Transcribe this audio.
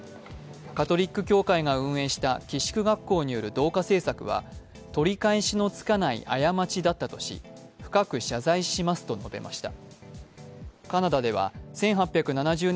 カトリック教会が運営した寄宿学校による同化政策は、取り返しのつかない過ちだったとし、深く謝罪しますと述べました。